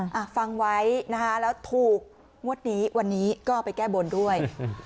อ่ะฟังไว้นะคะแล้วถูกงวดนี้วันนี้ก็ไปแก้บนด้วยอืม